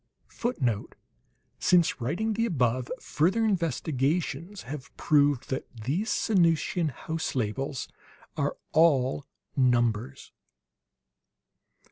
[Footnote: Since writing the above, further investigations have proved that these Sanusian house labels are all numbers.